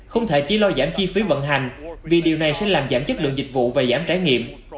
không thể chỉ lo giảm chi phí vận hành vì điều này sẽ làm giảm chất lượng dịch vụ và giảm trải nghiệm